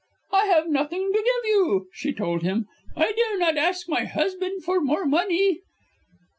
"I have nothing to give you," she told him. "I dare not ask my husband for more money."